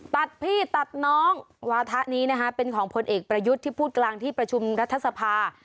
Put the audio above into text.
พี่ตัดน้องวาทะนี้นะคะเป็นของพลเอกประยุทธ์ที่พูดกลางที่ประชุมรัฐสภา